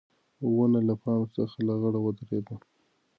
ونه له پاڼو څخه لغړه ودرېده.